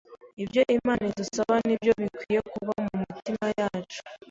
Ibyo Imana idusaba ni byo bikwiriye kuba mu mutimanama wacu.